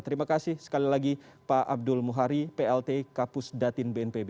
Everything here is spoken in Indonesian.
terima kasih sekali lagi pak abdul muhari plt kapus datin bnpb